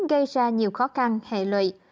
gây ra nhiều khó khăn hệ lụy